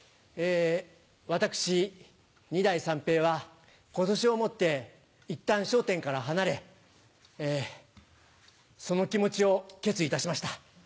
私、二代・三平はことしをもって、いったん笑点から離れ、その気持ちを決意いたしました。